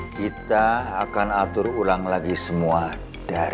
kita akan atur ulang lagi semua dari